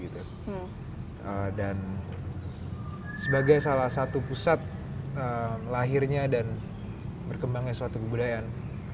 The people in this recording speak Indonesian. dan sebagai salah satu pusat lahirnya dan berkembangnya suatu kebudayaan